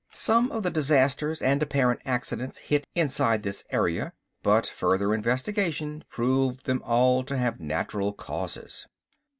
Some of the disasters and apparent accidents hit inside this area, but further investigation proved them all to have natural causes.